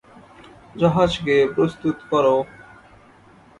জাহাজকে প্রস্তুত করো!